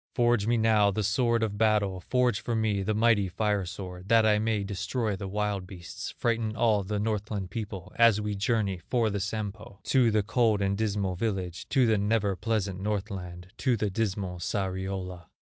Forge me now the sword of battle, Forge for me the mighty fire sword, That I may destroy the wild beasts, Frighten all the Northland people, As we journey for the Sampo To the cold and dismal village, To the never pleasant Northland, To the dismal Sariola."